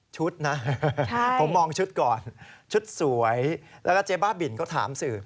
ชุดนะผมมองชุดก่อนชุดสวยแล้วก็เจ๊บ้าบินเขาถามสื่อ